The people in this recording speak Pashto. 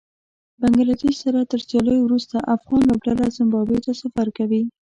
بنګله دېش سره تر سياليو وروسته افغان لوبډله زېمبابوې ته سفر کوي